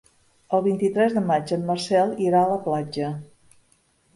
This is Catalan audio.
El vint-i-tres de maig en Marcel irà a la platja.